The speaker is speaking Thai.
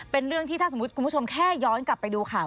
เป็นเรื่องที่ถ้าสมมุติคุณผู้ชมแค่ย้อนกลับไปดูข่าว